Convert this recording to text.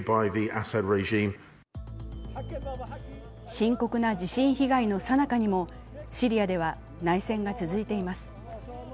深刻な地震被害のさなかにも、シリアでは内戦が続いています。